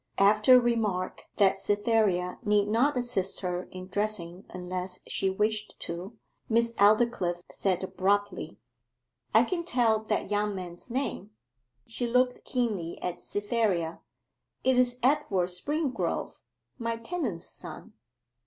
After a remark that Cytherea need not assist her in dressing unless she wished to, Miss Aldclyffe said abruptly 'I can tell that young man's name.' She looked keenly at Cytherea. 'It is Edward Springrove, my tenant's son.